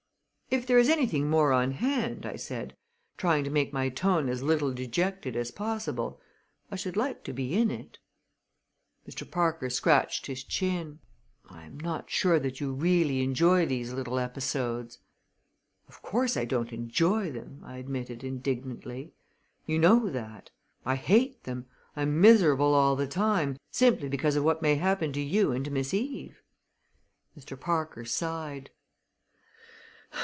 "If there is anything more on hand," I said, trying to make my tone as little dejected as possible, "I should like to be in it." Mr. Parker scratched his chin. "I am not sure that you really enjoy these little episodes." "Of course I don't enjoy them," I admitted indignantly. "You know that. I hate them. I am miserable all the time, simply because of what may happen to you and to Miss Eve." Mr. Parker sighed.